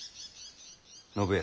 信康。